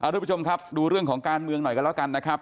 ทุกผู้ชมครับดูเรื่องของการเมืองหน่อยกันแล้วกันนะครับ